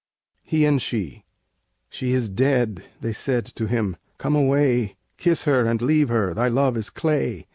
HE AND SHE "She is dead!" they said to him: "come away; Kiss her and leave her, thy love is clay!"